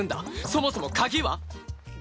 そもそも鍵は？